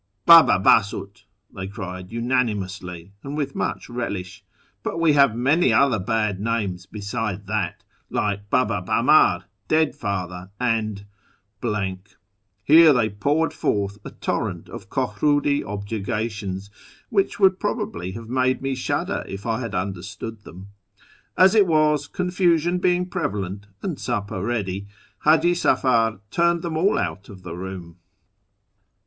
" Bdhd ld silt" they cried unani mously, and with much relish; "but we have many other bad names besides that, like hcibd hd mar, ' dead father,' and "; here they poured forth a torrent of Kohriidi objurga tions, which would probably have made me shudder if I had understood them. As it was, confusion being prevalent, and supper ready, H;iji Safar turned them all out of the room.